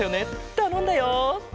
たのんだよ。